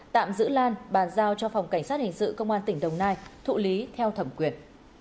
tạm giữ lan bàn giao cho phòng cảnh sát hình sự công an tỉnh đồng nai thụ lý theo thẩm quyền